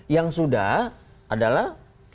yang sudah adalah